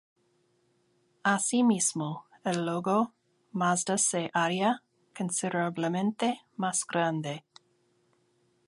Así mismo, el logo Mazda se haría considerablemente más grande.